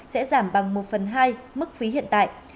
sẽ giảm bằng một phần hai mức phí hiện tại